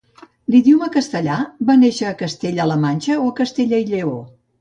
L'idioma castellà va néixer a Castella-la Manxa o Castella i Lleó?